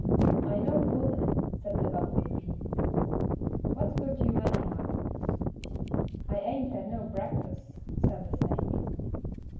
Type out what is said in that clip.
"'I no foolin',' said the bummelybee, 'what's got yuh anyhow?' "'I ain't had no brekfuss,' said the snake.